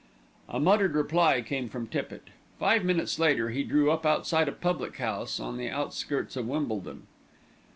A muttered reply came from Tippitt. Five minutes later he drew up outside a public house on the outskirts of Wimbledon.